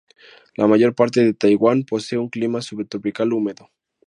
La mayor parte de Taiwán posee un clima subtropical húmedo.